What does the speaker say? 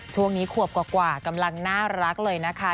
ช่วงนี้ขวบกว่ากำลังน่ารักเลยนะคะ